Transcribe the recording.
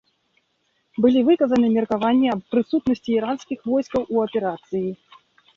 Былі выказаны меркаванні аб прысутнасці іранскіх войскаў у аперацыі.